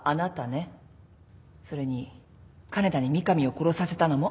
それに金田に三上を殺させたのもあなた。